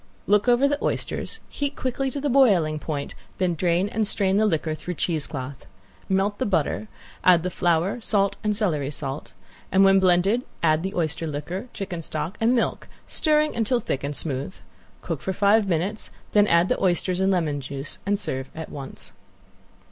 Look over the oysters, heat quickly to the boiling point, then drain and strain the liquor through cheesecloth. Melt the butter, add the flour, salt and celery salt, and when blended add the oyster liquor, chicken stock and milk, stirring until thick and smooth. Cook for five minutes, then add the oysters and lemon juice, and serve at once.